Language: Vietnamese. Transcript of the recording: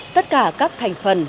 tất cả các thành phần